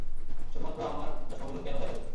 শুধুমাত্র আমার চশমাগুলো কেন দেখা যেত?